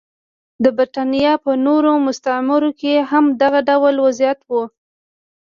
د برېټانیا په نورو مستعمرو کې هم دغه ډول وضعیت و.